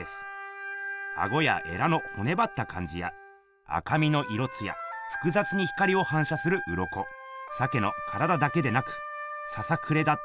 アゴやエラのほねばったかんじや赤みの色つやふくざつに光をはんしゃするうろこ鮭の体だけでなくささくれだったあらなわ。